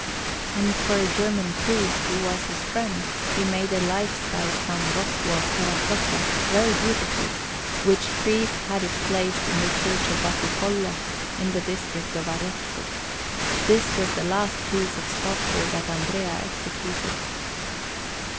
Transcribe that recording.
And for a German priest, who was his friend, he made a lifesize S. Rocco of terra cotta, very beautiful; which priest had it placed in the Church of Battifolle, in the district of Arezzo. This was the last piece of sculpture that Andrea executed.